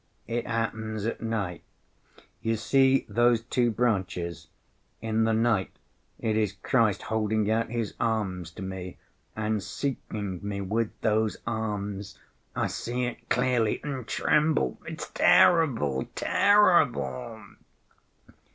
"It happens at night. You see those two branches? In the night it is Christ holding out His arms to me and seeking me with those arms, I see it clearly and tremble. It's terrible, terrible!"